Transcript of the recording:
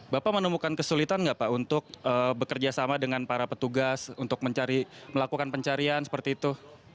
bapak menemukan kesulitan nggak pak untuk bekerja sama dengan para petugas untuk mencari melakukan pencarian seperti itu